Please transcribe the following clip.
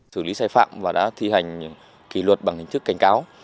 xử lý sai phạm và đã thi hành kỷ luật bằng hình thức cảnh cáo